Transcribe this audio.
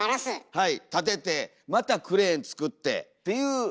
はい。